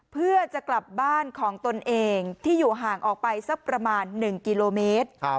เพื่อจะกลับบ้านของตนเองที่อยู่ห่างออกไปสักประมาณ๑กิโลเมตร